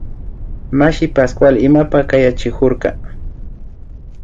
Mashi Pascual imapak kayachikurka